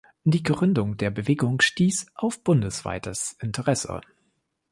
Die Gründung der Bewegung stieß auf bundesweites Interesse.